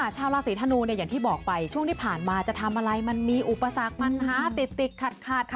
ชาวราศีธนูอย่างที่บอกไปช่วงที่ผ่านมาจะทำอะไรมันมีอุปสรรคปัญหาติดขัด